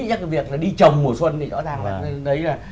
cái việc là đi trồng mùa xuân thì rõ ràng là đấy là